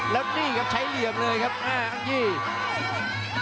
แล้วนี่ครับใช้เหลี่ยมเลยครับอ่างยี่